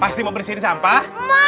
pasti mau bersihin sampah